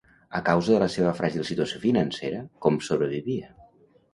A causa de la seva fràgil situació financera, com sobrevivia?